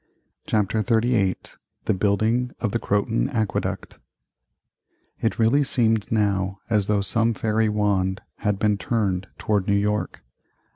CHAPTER XXXVIII THE BUILDING of the CROTON AQUEDUCT It really seemed now as though some fairy wand had been turned toward New York.